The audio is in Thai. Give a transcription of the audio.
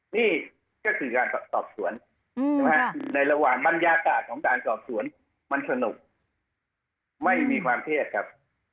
นี่ก็คือการสอบสวนในระหว่างบรรยากาศของการสอบสวนมันสนุกไม่มีความเทศครับ